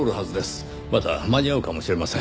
まだ間に合うかもしれません。